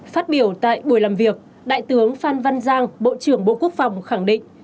phát biểu tại buổi làm việc đại tướng phan văn giang bộ trưởng bộ quốc phòng khẳng định